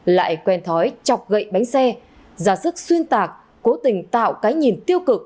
lại quen thói chọc gậy bánh xe giả sức xuyên tạc cố tình tạo cái nhìn tiêu cực